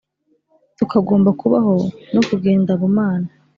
tukagomba kubaho no kugendabumana